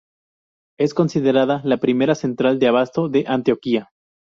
Es considerada la primera central de abasto de Antioquia.